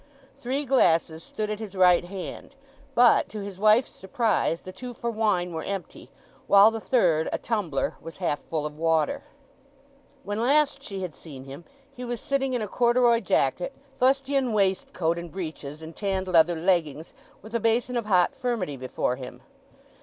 Three glasses stood at his right hand; but, to his wife's surprise, the two for wine were empty, while the third, a tumbler, was half full of water. When last she had seen him he was sitting in a corduroy jacket, fustian waistcoat and breeches, and tanned leather leggings, with a basin of hot furmity before him.